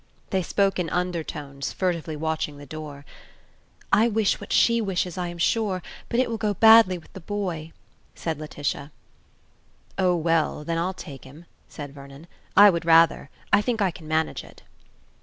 They spoke in under tones, furtively watching the door. "I wish what she wishes, I am sure; but it will go badly with the boy," said Laetitia. "Oh, well, then I'll take him," said Vernon, "I would rather. I think I can manage it."